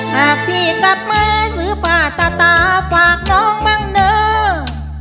หากพี่กลับมาซื้อผ้าตาตาฝากน้องบ้างเนอะ